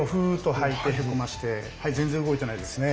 はい全然動いてないですね。